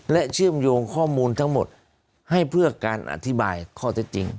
เชื่อมโยงข้อมูลทั้งหมดให้เพื่อการอธิบายข้อเท็จจริง